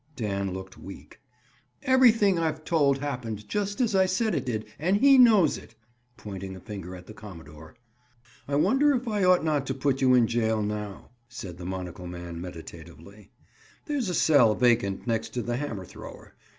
Dan looked weak. "Everything I've told happened just at I said it did, and he knows it." Pointing a finger at the commodore. "I wonder if I ought not to put you in jail now?" said the monocle man meditatively. "There's a cell vacant next to the hammer thrower.